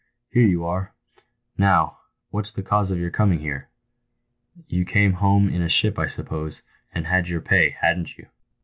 Here you are ! Now, what's the cause of your coming here ? You came home in a ship, I suppose, and had your pay — hadn't you?"